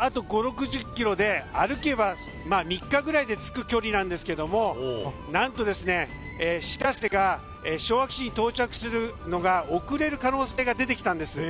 あと５０６０キロで歩けば３日ぐらいで着く距離なんですけれども何と、しらせが昭和基地に到着するのが遅れる可能性が出てきたんです。